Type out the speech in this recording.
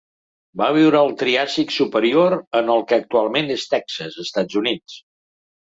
Va viure al Triàsic superior en el que actualment és Texas, Estats Units.